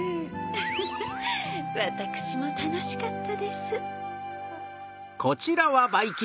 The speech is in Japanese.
ウフフわたくしもたのしかったです。